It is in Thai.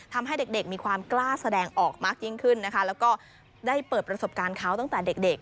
ทำให้เด็กมีความกล้าแสดงออกมายิ่งขึ้นนะคะแล้วก็ได้เปิดประสบการณ์เขาตั้งแต่เด็ก